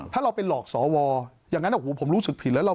ถ้าเราเป็นหลอกสอวร์อย่างนั้นผมรู้สึกผิดแล้ว